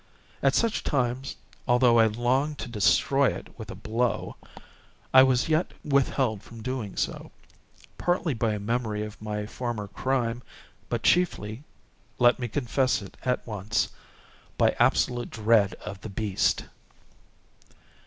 At such times, although I longed to destroy it with a blow, I was yet withheld from so doing, partly by a memory of my former crime, but chiefly—let me confess it at once—by absolute dread of the beast.